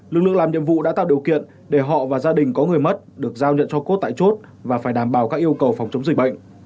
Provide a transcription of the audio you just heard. lực lượng làm nhiệm vụ đã tạo điều kiện để họ và gia đình có người mất được giao nhận cho cốt tại chốt và phải đảm bảo các yêu cầu phòng chống dịch bệnh